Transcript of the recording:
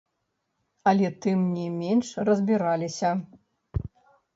Але тым не менш разбіраліся.